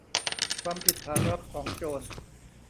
ความผิดฐานรับของโจร